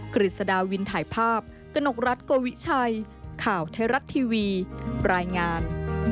กฤษดาวินถ่ายภาพกนกรัฐโกวิชัยข่าวไทยรัฐทีวีรายงาน